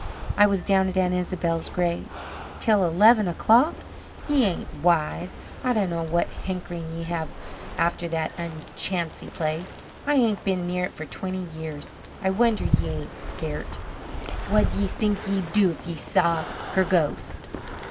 "I was down at Aunt Isabel's grave." "Till eleven o'clock! Ye ain't wise! I dunno what hankering ye have after that unchancy place. I ain't been near it for twenty year. I wonder ye ain't scairt. What'd ye think ye'd do if ye saw her ghost?"